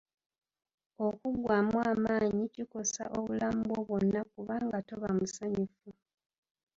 Okuggwamu amaanyi kikosa obulamu bwo bwonna kubanga toba musanyufu